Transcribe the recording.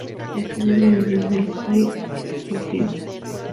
Estudió el idioma del país en Trung-ling.